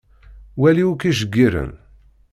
Wali akk iceggiren.